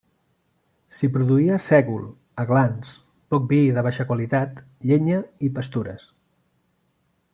S'hi produïa sègol, aglans, poc vi i de baixa qualitat, llenya i pastures.